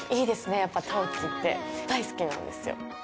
やっぱ陶器って大好きなんですよ。